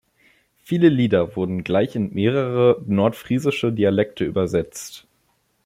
Viele Lieder wurden gleich in mehrere nordfriesische Dialekte übersetzt.